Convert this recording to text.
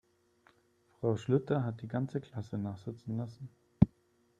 Frau Schlüter hat die ganze Klasse nachsitzen lassen.